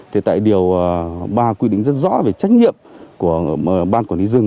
thì tại điều ba quy định rất rõ về trách nhiệm của ban quản lý rừng